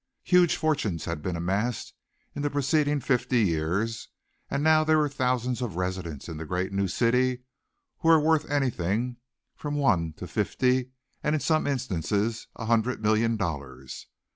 Huge fortunes had been amassed in the preceding fifty years and now there were thousands of residents in the great new city who were worth anything from one to fifty and in some instances a hundred million dollars.